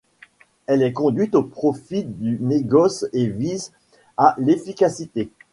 Elle est conduite au profit du négoce et vise à l’efficacité.